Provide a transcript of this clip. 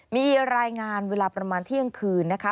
มีรายงานเวลาประมาณเที่ยงคืนนะคะ